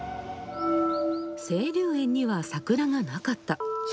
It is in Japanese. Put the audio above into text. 清流園には桜がなかった。